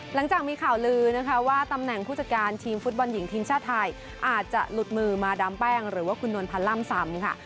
หลังจากมีข่าวลือนะคะว่าตำแหน่งผู้จัดการทีมฟุตบอลหญิงทีมชาติไทยอาจจะหลุดมือมาดามแป้งหรือว่าคุณนวลพันธ์ล่ำซำค่ะ